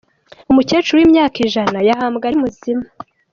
Umukecuru w’imyaka ijana yahambwe ari muzima